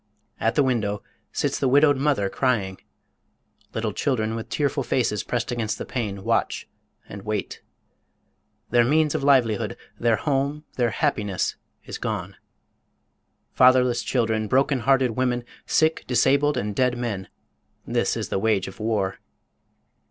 At the window sits the widowed mother crying. Little children with tearful faces pressed against the pane watch and wait. Their means of livelihood, their home, their happiness is gone. Fatherless children, broken hearted women, sick, disabled and dead men this is the wage of war.